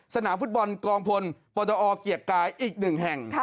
สนามฟุตบอลกองพลปตอเกียรติกายอีกหนึ่งแห่ง